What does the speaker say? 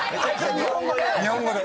日本語で。